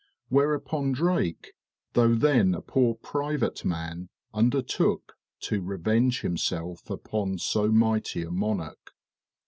Whereupon Drake, though then a poor private man, undertook to revenge himself upon so mighty a monarch."